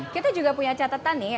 kita juga punya catatan nih